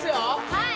はい！